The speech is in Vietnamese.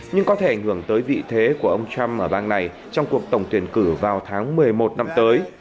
nhưng có thể ảnh hưởng tới vị thế của ông trump ở bang này trong cuộc tổng tuyển cử vào tháng một mươi một năm tới